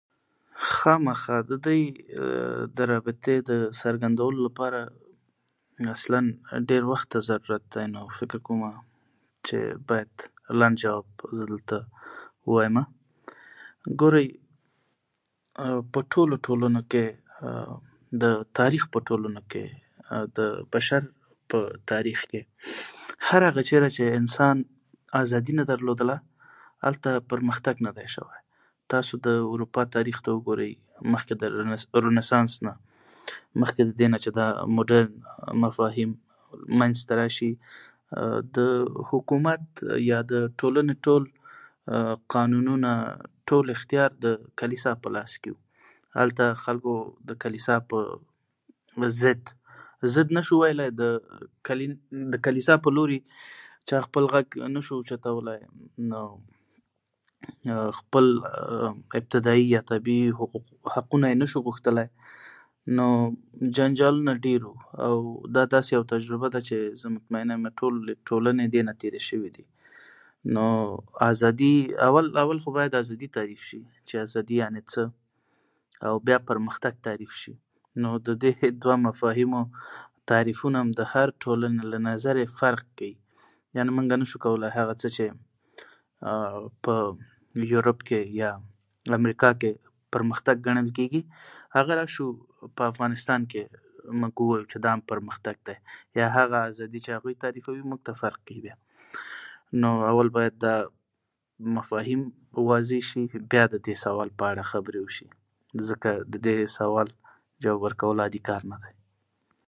خامخا د دوۍ د رابطې د ثبتولو د پاره اصلا ډېر وخت ته ضرورت دې نو فکر کومه چې باید لنډ زه دلته ووایمه ګورئ په ټولو ټولنو کې د تاریخ په ټولنو کې د بش په تاریخ کې هر کله چې انسان آزادي نه درلودله هلته پرمختګ ندی شوۍ، تاسو د اروپا تاریخ ته وګورئ مخکې لدی نه چې دا مفاهیم مخې ته راشي د حکومت یا د ټولنی ټول قانونه ټول اختیار د کلیسا په لاس کې دی خلکو د کلیسا په ضد، ضد نشو ویلاۍ خو د کلیسا په لوري چا غږ نشو جګولاۍ نو خپل لومړني حقونه یې نشو غوښتلاۍ نو جنجالونه ډېر و، دا داسې یوه تجربه ده چې ټولې ټولنی لدې نه تیرې شوی دي نو اول خو باید ازادي تعریف شي . آزادي یعنی څه او بیا پرمختګ تعریف شي نو ددې دوه مفاهیمو تعریفونه د هرې تولنې له نظره توپير کوي. یعنې مونږه نشو کولاۍ په یوروپ کې یا آمریکا کې پرمختګ ګڼل کیږي هغه کا راشو په افغانستان کي وګورو چې دا هم پرمختګ دی یا هغه آزادي چې هغوۍ تعریفوي مونږ ته فرق کوي بیا نو اول باید دا مفاهیم واضح شي بیا ددې سوال په اړه خبرې وشي ځکه ددې سوال جواب ورکول عادي کار ندی